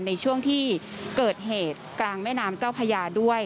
ในช่วงที่เกิดเหตุกลางแม่น้ำเจ้าพญาด้วย